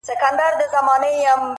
گرېـوانـونه به لانــــده كـــــــــړم_